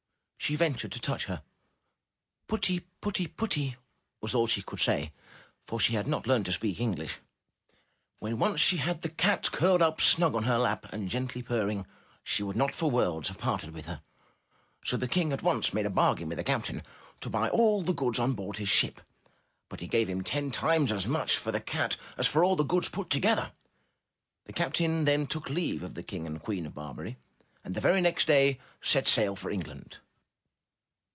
she ventured to touch her. 'Tutty, putty, putty!" was all she could say, for she had not learned to speak English. When once she had the cat curled up snug on her lap and gently purring, she would not for worlds have parted with her. So the King at once made a bargain with the cap tain to buy all the goods on board the ship; but he gave him ten times as much for the cat as for all the goods put together. The captain then took leave of the King and Queen 338 UP ONE PAIR OF STAIRS of Barbary, and the very next day set sail for England.